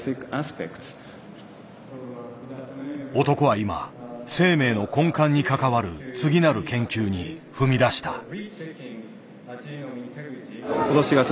男は今生命の根幹に関わる次なる研究に踏み出した。